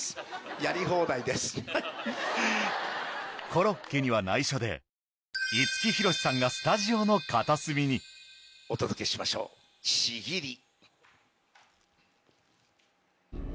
コロッケには内緒で五木ひろしさんがスタジオの片隅にお届けしましょう『契り』。